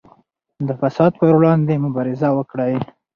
د فساد پر وړاندې مبارزه وکړئ.